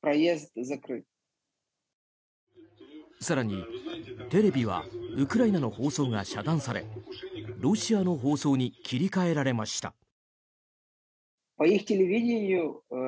更に、テレビはウクライナの放送が遮断されロシアの放送に切り替えられました。